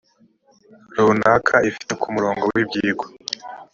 runaka ifite ku murongo w ibyigwa